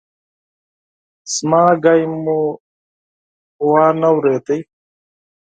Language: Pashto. زما خبره مو وانه ورېده!